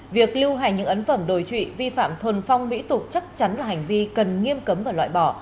việc lưu hành những ấn phẩm đồi trụy vi phạm thuần phong mỹ tục chắc chắn là hành vi cần nghiêm cấm và loại bỏ